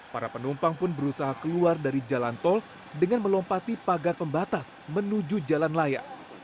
para penumpang pun berusaha keluar dari jalan tol dengan melompati pagar pembatas menuju jalan raya